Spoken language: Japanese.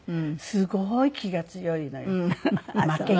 すごい気が強いのよ。